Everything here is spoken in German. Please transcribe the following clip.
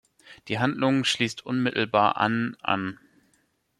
Die Handlung schließt unmittelbar an an.